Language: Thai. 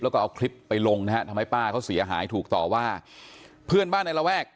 แล้วก็เอาคลิปไปลงนะฮะทำให้ป้าเขาเสียหายถูกต่อว่าเพื่อนบ้านในระแวก